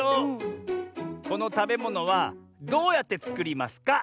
このたべものはどうやってつくりますか？